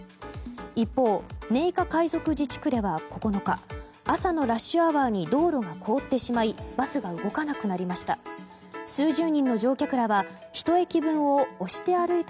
一方、寧夏回族自治区では９日朝のラッシュアワーに道路が凍ってしまいバスが動かなくなりました。